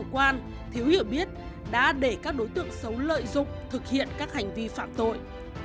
quan thiếu hiểu biết đã để các đối tượng xấu lợi dụng thực hiện các hành vi phạm tội